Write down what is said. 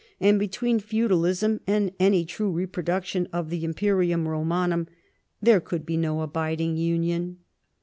and between feudalism and any true reproduction of the Invperium Romanwm there could be no abiding union.